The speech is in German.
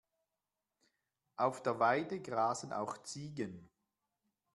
Auf der Weide grasen auch Ziegen.